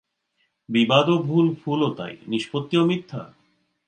বিবাদও ভুল, ফুলও তাই, নিষ্পত্তিও মিথ্যা?